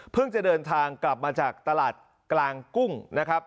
จะเดินทางกลับมาจากตลาดกลางกุ้งนะครับ